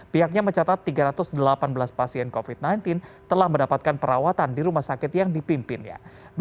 pihaknya mencatat tiga ratus delapan belas pasien covid sembilan belas telah mendapatkan perawatan di rumah sakit yang dipimpinnya